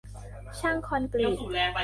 ช่างคอนกรีต